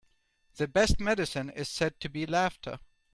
The best medicine is said to be laughter.